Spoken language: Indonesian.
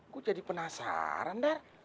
gue jadi penasaran bar